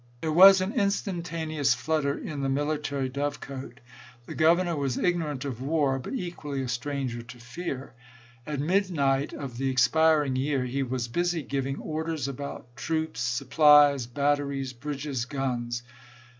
There was an instantaneous flutter in the military dove cote. The Governor was ignorant of war, but equally a stranger to fear. At midnight of the expiring year he was busy giv ing orders about troops, supplies, batteries, bridges, guns.